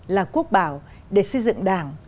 là quốc bảo để xây dựng đảng